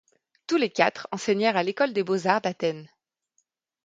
Tous les quatre enseignèrent à l'École des Beaux-Arts d'Athènes.